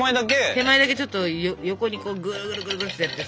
手前だけちょっと横にグルグルグルってやって。